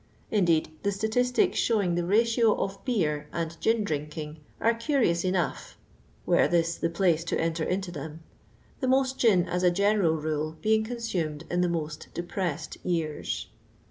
Indeed, the statistics showing the ratio of beer and gin drinking are curious enough (were this the place to enter into them), the most gin, at a general rule, being consumed in the most depressed years.